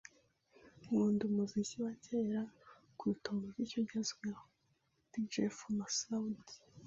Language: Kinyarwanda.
Nkunda umuziki wa kera kuruta umuziki ugezweho. (Djef_Messaoudi)